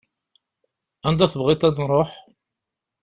Anda i tebɣiḍ ad nruḥ?